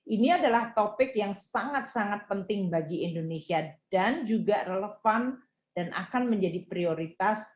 ini adalah topik yang sangat sangat penting bagi indonesia dan juga relevan dan akan menjadi prioritas